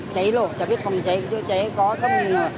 cháy lộ chả biết phòng cháy chứ cháy có không